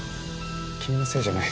君のせいじゃない。